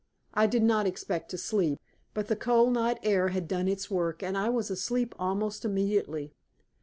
I did not expect to sleep, but the cold night air had done its work, and I was asleep almost immediately.